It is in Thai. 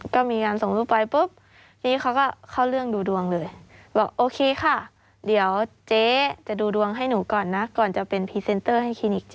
ก็มีงานส่งรูปไปปุ๊บพี่เขาก็เข้าเรื่องดูดวงเลยบอกโอเคค่ะเดี๋ยวเจ๊จะดูดวงให้หนูก่อนนะก่อนจะเป็นพรีเซนเตอร์ให้คลินิก